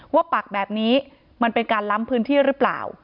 ปักแบบนี้มันเป็นการล้ำพื้นที่หรือเปล่า